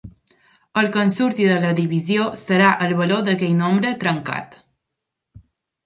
El que en surti de la divisió serà el valor d’aquell nombre trencat.